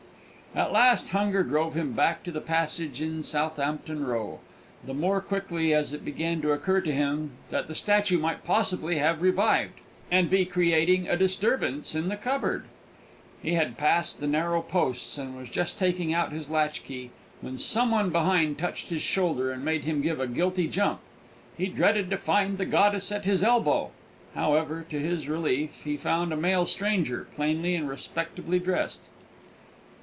At last hunger drove him back to the passage in Southampton Row, the more quickly as it began to occur to him that the statue might possibly have revived, and be creating a disturbance in the cupboard. He had passed the narrow posts, and was just taking out his latchkey, when some one behind touched his shoulder and made him give a guilty jump. He dreaded to find the goddess at his elbow; however, to his relief, he found a male stranger, plainly and respectably dressed.